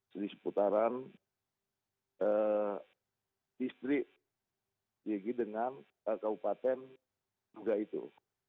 jadi seputaran distrik igi dengan kabupaten juga itu